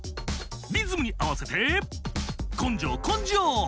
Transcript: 「リズムにあわせてこんじょうこんじょう！」